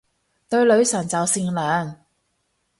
對女神就善良